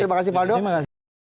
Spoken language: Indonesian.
terima kasih pak aldo